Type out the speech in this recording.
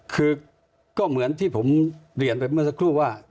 คือก็เหมือนที่ผมเรียนไปเมื่อสักครู่ว่า